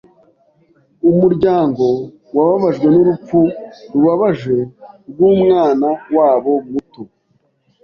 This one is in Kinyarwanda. Umuryango wababajwe n'urupfu rubabaje rw'umwana wabo muto.